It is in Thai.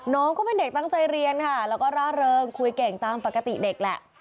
น้องก็เป็นเด็กตั้งใจเรียนค่ะแล้วก็ร่าเริงคุยเก่งตามปกติเด็กแหละ